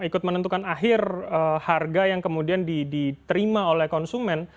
ikut menentukan akhir harga yang kemudian diterima oleh konsumen